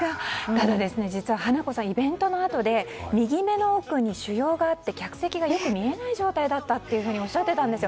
ただですね、実は花子さんイベントのあとで右目の奥に腫瘍があって客席がよく見えない状態だったとおっしゃっていたんです。